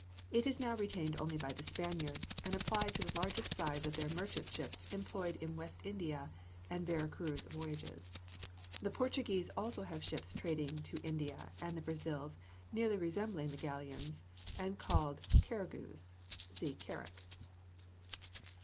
It is now retained only by the Spaniards, and applied to the largest size of their merchant ships employed in West India and Vera Cruz voyages. The Portuguese also have ships trading to India and the Brazils nearly resembling the galleons, and called caragues. (See CARACK.)